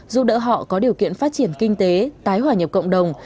giúp đỡ họ có điều kiện phát triển kinh tế tái hòa nhập cộng đồng